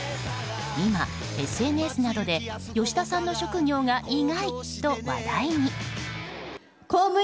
今、ＳＮＳなどで吉田さんの職業が意外と話題に。